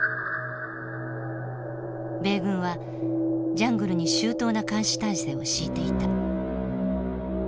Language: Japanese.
米軍はジャングルに周到な監視体制を敷いていた。